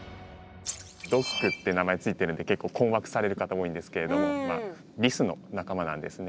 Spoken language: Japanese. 「ドッグ」って名前付いてるんで結構困惑される方多いんですけれどもリスの仲間なんですね。